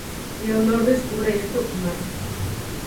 Leonor descubre esto y más.